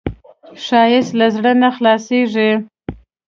ښایست له زړه نه خلاصېږي